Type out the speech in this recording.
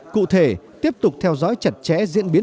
cụ thể tiếp tục theo dõi chặt chẽ diễn biến